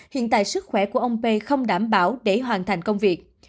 hiện tại sức khỏe của ông p không đảm bảo để hoàn thành công việc